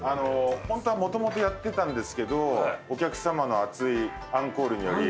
ホントはもともとやってたんですけどお客さまの熱いアンコールにより。